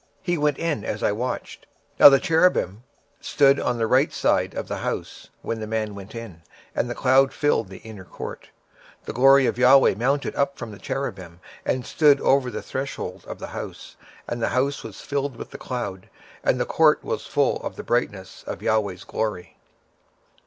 And he went in in my sight. 26:010:003 Now the cherubims stood on the right side of the house, when the man went in; and the cloud filled the inner court. 26:010:004 Then the glory of the LORD went up from the cherub, and stood over the threshold of the house; and the house was filled with the cloud, and the court was full of the brightness of the LORD's glory.